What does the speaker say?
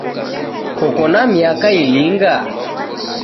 Koko na miaka ilinga?.